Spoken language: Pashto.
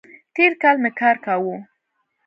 تېر کال می کار کاوو